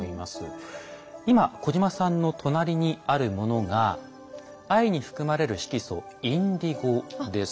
今小島さんの隣にあるものが藍に含まれる色素インディゴです。